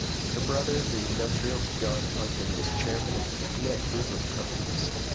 Her brother, the industrialist John Elkann, is Chairman of the Fiat group of companies.